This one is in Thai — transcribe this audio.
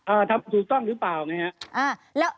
อ่าทำสูตรส่องหรือเปล่านะครับ